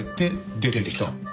出てきた。